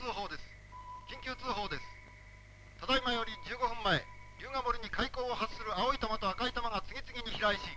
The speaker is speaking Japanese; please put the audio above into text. ただいまより１５分前竜ヶ森に怪光を発する青い玉と赤い玉が次々に飛来し。